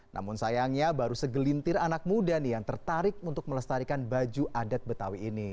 namun sayangnya baru segelintir anak muda nih yang tertarik untuk melestarikan baju adat betawi ini